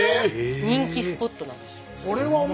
人気スポットなんですよ。